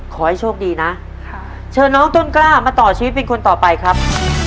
ขอให้โชคดีนะเชิญน้องต้นกล้ามาต่อชีวิตเป็นคนต่อไปครับ